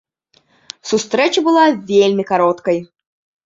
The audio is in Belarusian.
Сустрэча была вельмі кароткай.